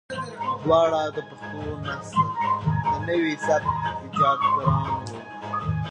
دواړه د پښتو نثر د نوي سبک ايجادګران وو.